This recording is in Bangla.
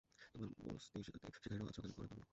তোমার বসতির শিকারীরাও আজ সকালে ঘোড়া ধরল।